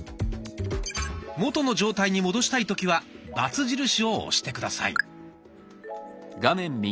元の状態に戻したい時はバツ印を押して下さい。